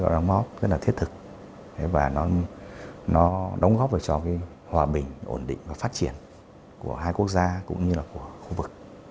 đóng góp rất là thiết thực và nó đóng góp cho hòa bình ổn định và phát triển của hai quốc gia cũng như là của khu vực